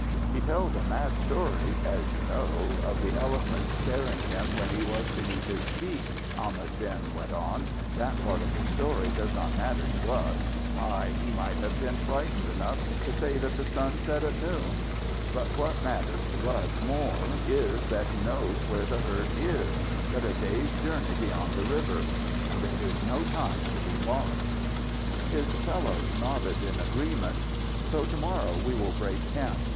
"He tells a mad story, as you know, of the elephant sparing him when he was beneath his feet," Ahmad Din went on; "that part of his story does not matter to us. Hai! He might have been frightened enough to say that the sun set at noon. But what matters to us more is that he knows where the herd is but a day's journey beyond the river. And there is no time to be lost." His fellows nodded in agreement. "So to morrow we will break camp.